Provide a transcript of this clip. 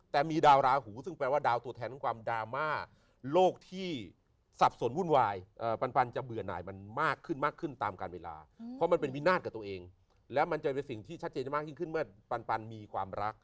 แต่มีดาวราหูซึ่งแปลว่าดาวตัวแทนของความดราม่าโลกที่สับสนวุ่นวายปันจะเบื่อหน่ายมันมากขึ้นมากขึ้นตามการเวลาเพราะมันเป็นวินาศกับตัวเองแล้วมันจะเป็นสิ่งที่ชัดเจนมากยิ่งขึ้นเมื่อปันมีความรัก